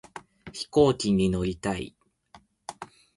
飛行機に乗りたい